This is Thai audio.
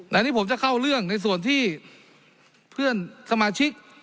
อันนี้ผมจะเข้าเรื่องในส่วนที่เพื่อนสมาชิก